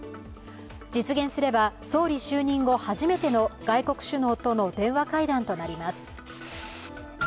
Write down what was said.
実現すれば、総理就任後初めての外国首脳との電話会談となります。